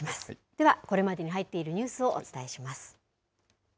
ではこれまでに入っているニュースをお伝えします。